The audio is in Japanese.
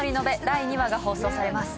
第２話が放送されます。